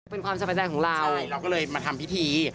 เป็นความสบายใจของเราเราก็เลยมาทำพิธี